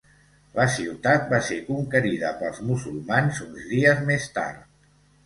La ciutat va ser conquerida pels musulmans uns dies més tard.